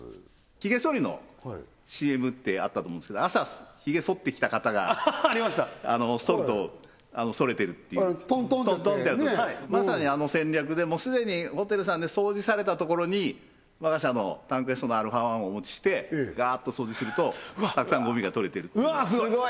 ひげそりのＣＭってあったと思うんですけど朝ひげそって来た方がそるとそれてるっていうトントンってねまさにあの戦略でもう既にホテルさんで掃除されたところに我が社のｔａｎＱｅｓｔのα−１をお持ちしてガーッと掃除するとたくさんゴミが取れてるっていうわあすごい！